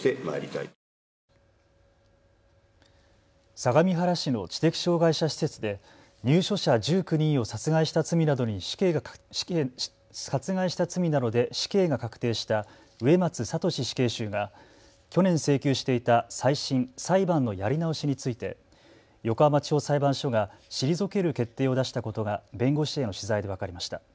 相模原市の知的障害者施設で入所者１９人を殺害した罪などで死刑が確定した植松聖死刑囚が去年、請求していた再審・裁判のやり直しについて横浜地方裁判所が退ける決定を出したことが弁護士への取材で分かりました。